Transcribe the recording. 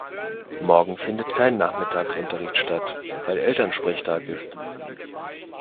Morgen findet kein Nachmittagsunterricht statt, weil Elternsprechtag ist.